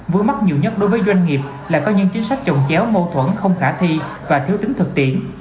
vướng mắt nhiều nhất đối với doanh nghiệp là có những chính sách trồng chéo mâu thuẫn không khả thi và thiếu tính thực tiễn